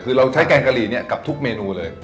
คือเราใช้แกงกะหรี่เนี่ยกับทุกเมนูเลย